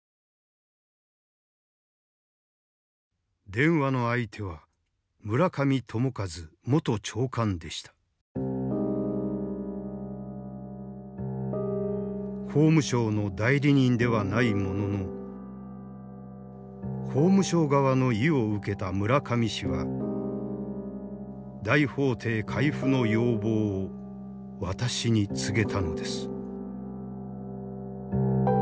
電話の相手は村上朝一元長官でした法務省の代理人ではないものの法務省側の意を受けた村上氏は大法廷回付の要望を私に告げたのです